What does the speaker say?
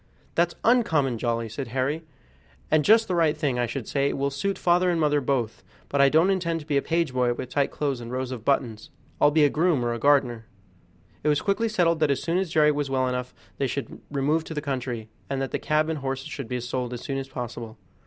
"That's uncommon jolly," said Harry, "and just the right thing, I should say; it will suit father and mother both; but I don't intend to be a page boy with tight clothes and rows of buttons. I'll be a groom or a gardener." It was quickly settled that as soon as Jerry was well enough they should remove to the country, and that the cab and horses should be sold as soon as possible.